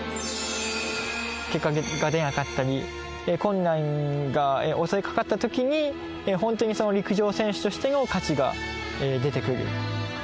結果が出なかったり困難が襲いかかったときに本当に陸上選手としての価値が出てくる。